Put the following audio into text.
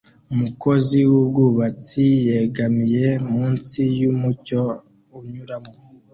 Umukozi wubwubatsi yegamiye munsi yumucyo unyuramo